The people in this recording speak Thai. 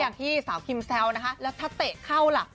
อย่างที่สาวคิมแซวนะคะแล้วถ้าเตะเข้าล่ะ